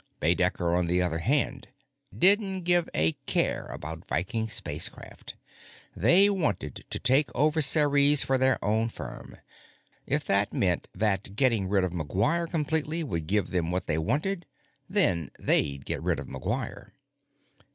Baedecker, on the other hand, didn't give a care about Viking Spacecraft. They wanted to take over Ceres for their own firm. If that meant that getting rid of McGuire completely would give them what they wanted, then they'd get rid of McGuire.